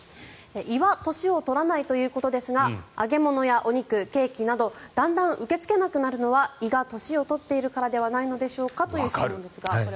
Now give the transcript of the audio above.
胃は年を取らないということですが揚げ物やお肉、ケーキなどだんだん受け付けなくなるのは胃が年を取っているからじゃないですかという質問ですが。